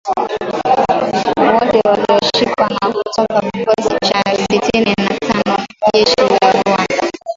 Wote walioshikwa ni kutoka kikosi cha Sitini na tano cha jeshi la Rwanda